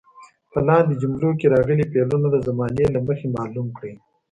په لاندې جملو کې راغلي فعلونه د زمانې له مخې معلوم کړئ.